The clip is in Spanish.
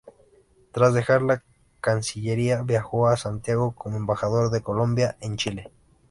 Tras dejar la Cancillería viajó a Santiago como embajador de Colombia en Chile.